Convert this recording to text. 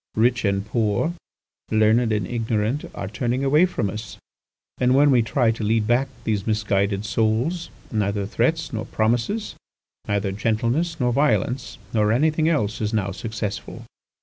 Rich and poor, learned and ignorant are turning away from us. And when we try to lead back these misguided souls, neither threats nor promises, neither gentleness nor violence, nor anything else is now successful.